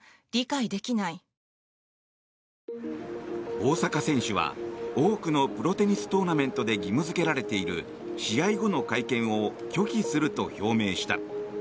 大坂選手は多くのプロテニストーナメントで義務付けられている試合後の会見を拒否すると表明した。